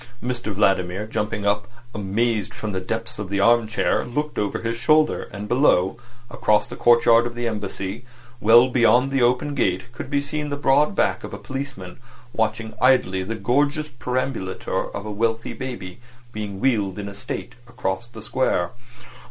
Mr Vladimir, jumping up amazed from the depths of the arm chair, looked over his shoulder; and below, across the courtyard of the Embassy, well beyond the open gate, could be seen the broad back of a policeman watching idly the gorgeous perambulator of a wealthy baby being wheeled in state across the Square.